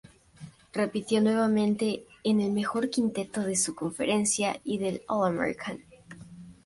Repitió nuevamente en el mejor quinteto de su conferencia y del All-American.